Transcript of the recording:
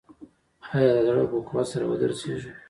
آیا دا زړه به په قوت سره ودرزیږي؟